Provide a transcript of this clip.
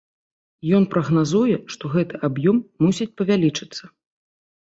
Ён прагназуе, што гэты аб'ём мусіць павялічыцца.